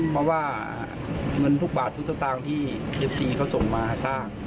เพราะว่าเงินบาททุกษะตางท่ีเด็ดซีเขาส่งมาสร้าง